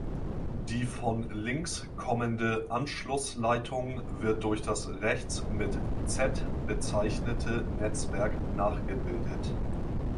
Die von links kommende Anschlussleitung wird durch das rechts mit "Z" bezeichnete Netzwerk nachgebildet.